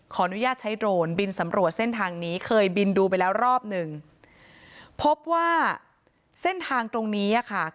อนุญาตใช้โดรนบินสำรวจเส้นทางนี้เคยบินดูไปแล้วรอบหนึ่งพบว่าเส้นทางตรงนี้อ่ะค่ะ